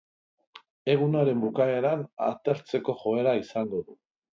Egunaren bukaeran, atertzeko joera izango du.